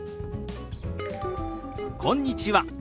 「こんにちは」。